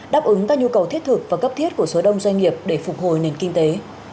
đáp ứng các nhu cầu thiết thực và cấp thiết của số đông doanh nghiệp để phục hồi nền kinh tế